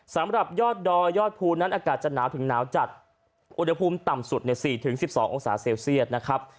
สำหรับยอดดอยยอดภูนั้นอากาศจะหนาวถึงหนาวจัดอุณหภูมิต่ำสุดใน๔๑๒องศาเซลเซียตนะครับ